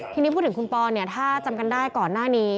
ทีนี้พูดถึงคุณปอนเนี่ยถ้าจำกันได้ก่อนหน้านี้